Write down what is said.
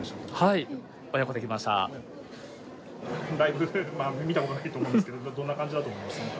はい親子できましたライブ見たことないと思うんすけどどんな感じだと思いますか？